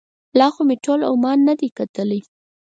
لا خو مې ټول عمان نه دی کتلی.